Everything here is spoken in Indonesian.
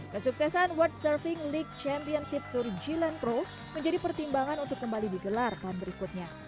kesuksesan world surfing league championship tour g land pro menjadi pertimbangan untuk kembali di gelar tahun berikutnya